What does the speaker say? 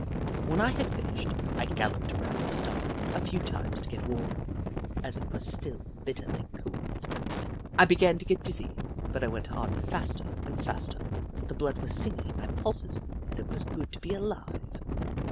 When I had finished, I galloped around the stump a few times to get warm, as it was still bitterly cold. I began to get dizzy, but I went on faster and faster, for the blood was singing in my pulses and it was good to be alive.